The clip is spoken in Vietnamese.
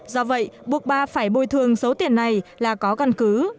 do vậy buộc bà phải bồi thường số tiền này là có căn cứ